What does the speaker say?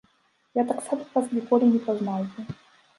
Я таксама вас ніколі не пазнаў бы.